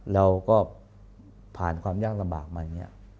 เราก็ผ่านความยากลำบากมาอย่างนี้